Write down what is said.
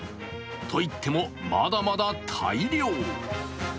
といっても、まだまだ大量。